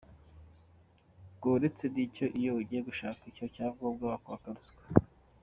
Ngo uretse n’ icyo, iyo ugiye gushaka icyo cyangombwa bakwaka ruswa.